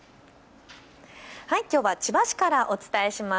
きょうは千葉市からお伝えします。